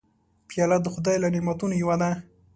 پیاله د خدای له نعمتونو یوه ده.